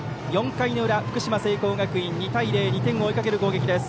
４回の裏、福島・聖光学院２対０と２点を追いかける攻撃です。